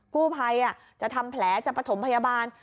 กู้ภัยจะทำแผลจะประถมพยาบาล